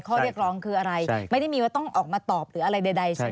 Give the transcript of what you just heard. ข้อเรียกร้องคืออะไรไม่ได้มีว่าต้องออกมาตอบหรืออะไรใดใช่ไหม